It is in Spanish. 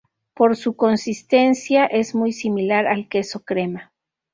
Por su consistencia es muy similar al queso crema.